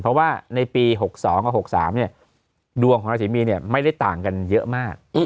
เพราะว่าในปี๖๒กับ๖๓ดวงของราศีมีนไม่ได้ต่างกันเยอะมาก